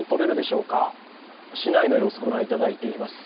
市内の様子、ご覧いただいています